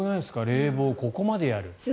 冷房、ここまでやる。